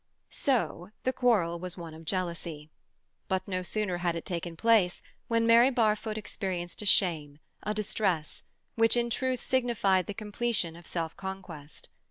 So the quarrel was one of jealousy. But no sooner had it taken place when Mary Barfoot experienced a shame, a distress, which in truth signified the completion of self conquest.